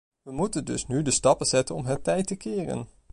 We moeten dus nu de stappen zetten om het tij te keren.